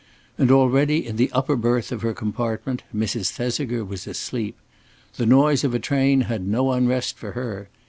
And already in the upper berth of her compartment Mrs. Thesiger was asleep. The noise of a train had no unrest for her.